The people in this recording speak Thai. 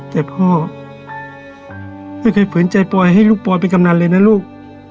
แต่พ่อไม่เคยฝืนใจปลอยให้ลูกปอยเป็นกำนันเลยนะลูก